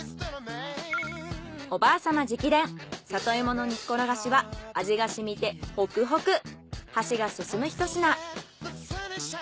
おばあさま直伝里芋の煮っころがしは味が染みてホクホク箸がすすむひと品。